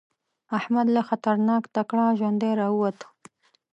احمد له خطرناک ټکره ژوندی راووته.